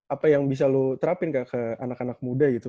apa yang bisa lo terapin ke anak anak muda gitu